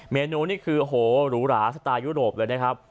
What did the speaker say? เมนูนี่คือโหหรูหราสไตล์ยุโรปเลยนะครับ